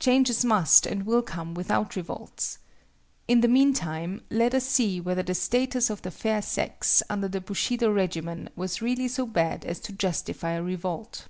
Changes must and will come without revolts! In the meantime let us see whether the status of the fair sex under the Bushido regimen was really so bad as to justify a revolt.